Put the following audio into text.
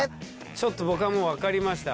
ちょっと僕はもう分かりました。